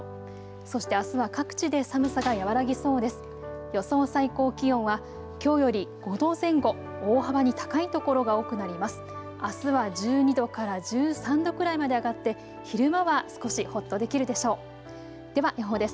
そしてあすは各地で寒さが和らぎそうです。